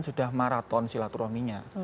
sudah maraton sholat jumatnya